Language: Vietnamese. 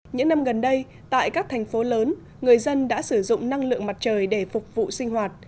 những năm gần đây tại các thành phố lớn người dân đã sử dụng năng lượng mặt trời để phục vụ sinh hoạt